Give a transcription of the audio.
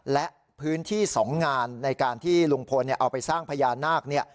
และพื้นที่๒งานในการที่ลุงพลเอาไปสร้างพญานาค